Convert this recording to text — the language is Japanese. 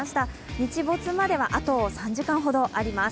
日没まではあと３時間ほどあります